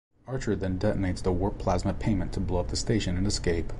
Archer then detonates the warp-plasma payment to blow up the station and escape.